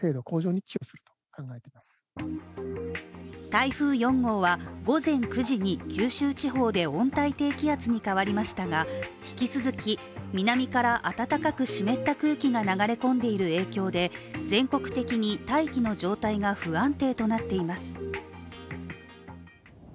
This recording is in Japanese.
台風４号は午前９時に九州地方で温帯低気圧に変わりましたが引き続き南から暖かく湿った空気が流れ込んでいる影響で全国的に大気の状態が不安定となっています。